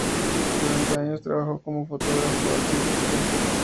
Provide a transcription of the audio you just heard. Durante años trabajó como fotógrafo artístico.